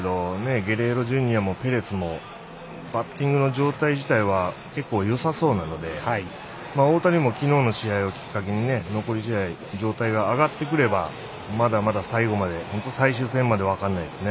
ゲレーロＪｒ．もペレスもバッティングの状態自体は結構よさそうなので大谷も昨日の試合をきっかけに残り試合状態が上がってくればまだまだ最後まで最終戦まで分からないですね。